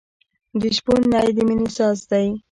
د شپون نی د مینې ساز دی.